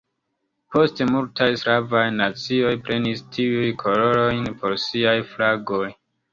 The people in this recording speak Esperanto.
Poste multaj slavaj nacioj prenis tiujn kolorojn por siaj flagoj.